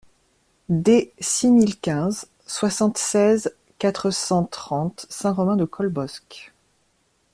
D six mille quinze, soixante-seize, quatre cent trente Saint-Romain-de-Colbosc